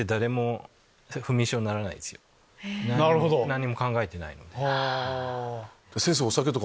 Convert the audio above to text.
何も考えてないので。